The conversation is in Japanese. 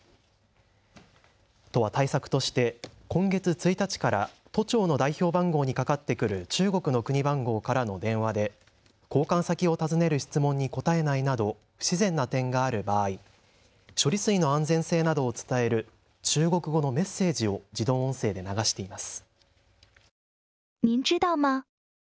都は対策として今月１日から都庁の代表番号にかかってくる中国の国番号からの電話で交換先を尋ねる質問に答えないなど不自然な点がある場合、処理水の安全性などを伝える中国語のメッセージを自動音声で流しています。